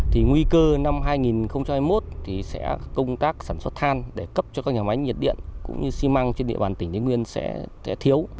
thì nguy cơ năm hai nghìn hai mươi một thì sẽ công tác sản xuất than để cấp cho các nhà máy nhiệt điện cũng như xi măng trên địa bàn tỉnh thế nguyên sẽ thiếu